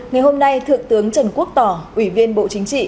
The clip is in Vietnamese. ngày hôm nay thượng tướng trần quốc tỏ ủy viên bộ chính trị